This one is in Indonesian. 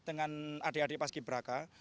dengan adik adik paski beraka